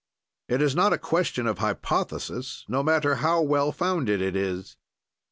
"It is not a question of hypothesis, no matter how well founded it is.